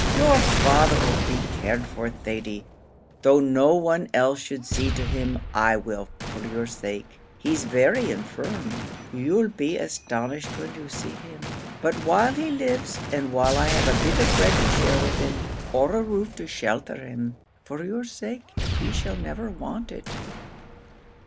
"Your father'll be cared for, Thady. Though no one else should see to him, I will, for your sake. He's very infirm; you'll be astonished when you see him; but while he lives and while I have a bit of bread to share with him, or a roof to shelter him, for your sake, he shall never want it."